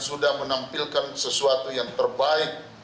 sudah menampilkan sesuatu yang terbaik